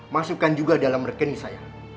masukkan juga dalam rekening saya